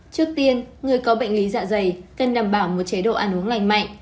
trước tiên người có bệnh lý dạ dày cần đảm bảo một chế độ ăn uống lành mạnh